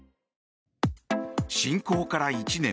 侵攻から１年。